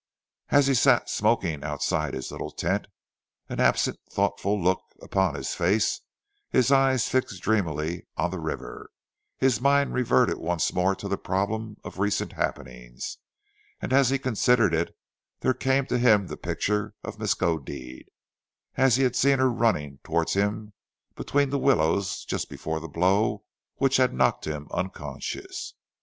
As he sat smoking outside his little tent, an absent, thoughtful look upon his face, his eyes fixed dreamily on the river, his mind reverted once more to the problem of recent happenings, and as he considered it, there came to him the picture of Miskodeed as he had seen her running towards him between the willows just before the blow which had knocked him unconscious.